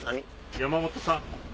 山本さん。